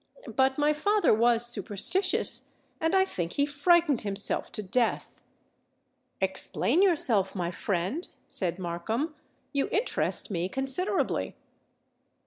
But my father was superstitious; and I think he frightened himself to death." "Explain yourself, my friend," said Markham: "you interest me considerably."